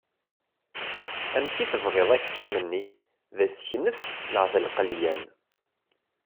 Amek i t-tebɣiḍ aksum-nni d aseknef neɣ d lqelyan?